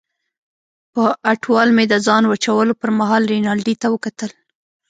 په اټوال مې د ځان وچولو پرمهال رینالډي ته وکتل.